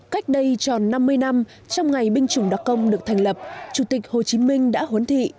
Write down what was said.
cách đây tròn năm mươi năm trong ngày binh chủng đặc công được thành lập chủ tịch hồ chí minh đã huấn thị